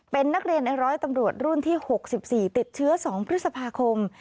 เป็นนักเรียนในร้อยตำรวจรุ่นที่๖๔ติดเชื้อ๒พฤษภาคม